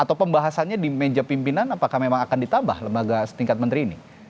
atau pembahasannya di meja pimpinan apakah memang akan ditambah lembaga setingkat menteri ini